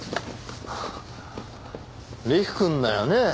吏玖くんだよね？